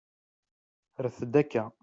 Rret-d akka.